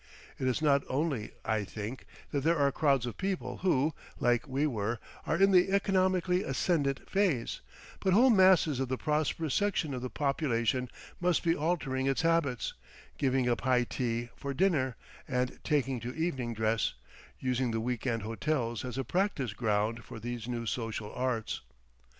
It is not only, I think, that there are crowds of people who, like we were, are in the economically ascendant phase, but whole masses of the prosperous section of the population must be altering its habits, giving up high tea for dinner and taking to evening dress, using the week end hotels as a practise ground for these new social arts.